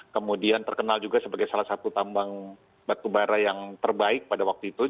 kemudian terkenal juga sebagai salah satu tambang batubara yang terbaik pada waktu itu